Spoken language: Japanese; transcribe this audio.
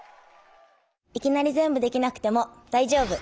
いきなりぜんぶできなくてもだいじょうぶ！